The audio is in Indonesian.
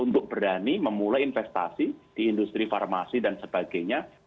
untuk berani memulai investasi di industri farmasi dan sebagainya